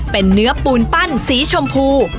เป็นเนื้อปูนปั้นสีชมพู